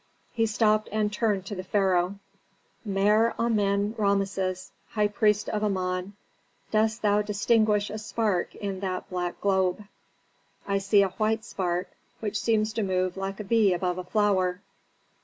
He stopped and turned to the pharaoh, "Mer Amen Rameses, high priest of Amon, dost thou distinguish a spark in that black globe?" "I see a white spark which seems to move like a bee above a flower."